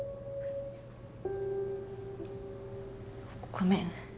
ごめん。